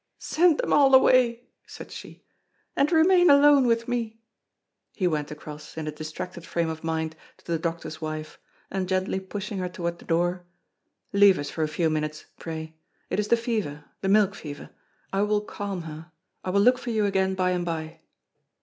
"Send them all away," said she, "and remain alone with me!" He went across, in a distracted frame of mind, to the doctor's wife, and gently pushing her toward the door: "Leave us for a few minutes, pray. It is the fever the milk fever. I will calm her. I will look for you again by and by."